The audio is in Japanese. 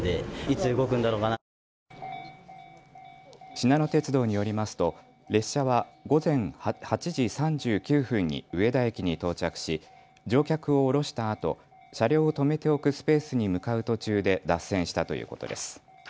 しなの鉄道によりますと列車は午前８時３９分に上田駅に到着し乗客を降ろしたあと車両を止めておくスペースに向かう途中で脱線したということです。